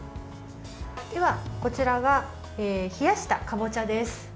では、こちらが冷やしたかぼちゃです。